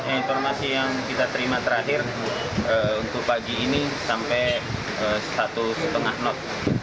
informasi yang kita terima terakhir untuk pagi ini sampai satu lima knot